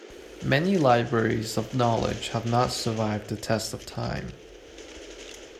Many libraries of knowledge have not survived the test of time.